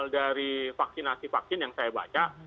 dari vaksinasi vaksin yang saya baca